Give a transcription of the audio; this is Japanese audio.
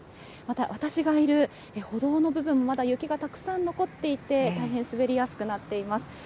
また私がいる歩道の部分、まだ雪がたくさん残っていて、大変滑りやすくなっています。